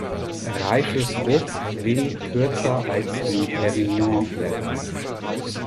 Reife Frucht wenig kürzer als die Perigonblätter.